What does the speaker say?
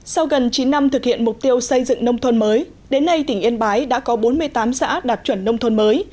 sau gần chín năm thực hiện mục tiêu xây dựng nông thôn mới đến nay tỉnh yên bái đã có bốn mươi tám xã đạt chuẩn nông thôn mới